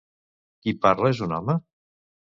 Qui parla és un home?